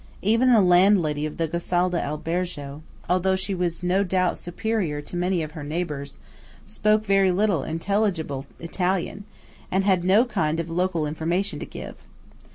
Even the landlady of the Gosalda albergo, though she was no doubt superior to many of her neighbours, spoke very little intelligible Italian, and had no kind of local information to give.